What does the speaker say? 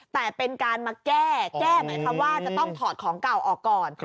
แต่เป็นการมาแก้แก้หมายความว่าจะต้องถอดของเก่าออกก่อน